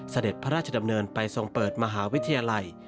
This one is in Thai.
เสด็จพระราชดำเนินไปทรงเปิดมหาวิทยาลัย